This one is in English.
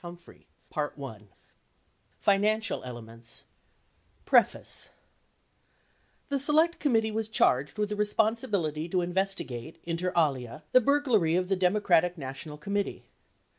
Humphrey — Financial Elements PREFACE The Select Committee was charged with the responsibility to inves tigate, inter alia , the burglary of the Democratic National Committee.